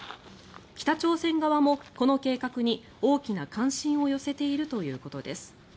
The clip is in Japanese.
北朝鮮側も、この計画に大きな関心を寄せているということです。